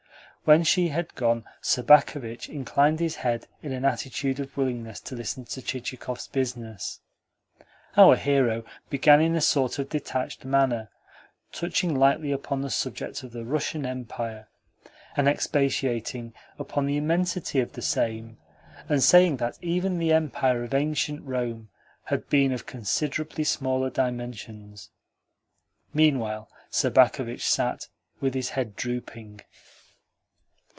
When she had gone Sobakevitch inclined his head in an attitude of willingness to listen to Chichikov's business. Our hero began in a sort of detached manner touching lightly upon the subject of the Russian Empire, and expatiating upon the immensity of the same, and saying that even the Empire of Ancient Rome had been of considerably smaller dimensions. Meanwhile Sobakevitch sat with his head drooping.